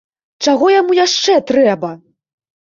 Чаго яму яшчэ трэба?!